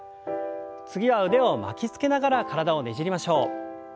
次は腕を巻きつけながら体をねじりましょう。